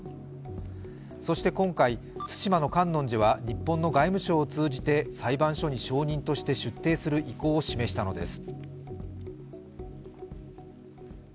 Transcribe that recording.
そして今回、対馬の観音寺は日本の外務省を通じて裁判所に証人として出廷する意向を示したのです。